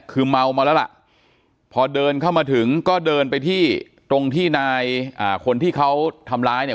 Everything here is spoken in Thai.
คือเมามาแล้วล่ะพอเดินเข้ามาถึงก็เดินไปที่ตรงที่นายอ่าคนที่เขาทำร้ายเนี่ย